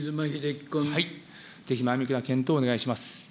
ぜひ前向きな検討をお願いします。